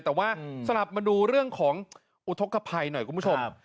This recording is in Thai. แต่ว่าสลับมาดูเรื่องของอุทธกภัยหน่อยคุณผู้ชม